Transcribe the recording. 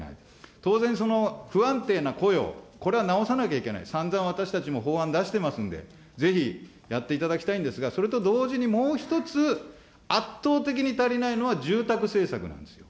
当然、不安定な雇用、これは直さなきゃいけない、さんざん私たちも法案出してますんで、ぜひやっていただきたいんですが、それと同時にもう１つ、圧倒的に足りないのは、住宅政策なんです。